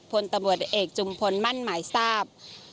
พลตำรวจเอกจุมพลมั่นหมายทราบ